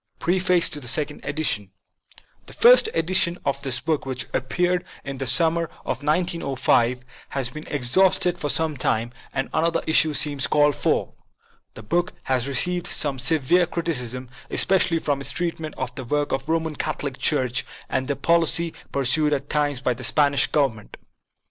PREFACE TO THE SECOND EDITION THE first edition of this book, which appeared in the summer of 1905, has been exhausted for some time, and another issue seems called for. The book has received some severe criticism, especially for its treatment of the work of the Roman Catholic Church and the policy pur sued at times by the Spanish Government.